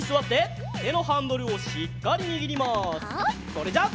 それじゃあ。